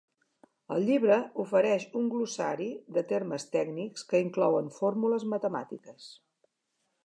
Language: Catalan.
El llibre ofereix un glossari de termes tècnics que inclouen fórmules matemàtiques.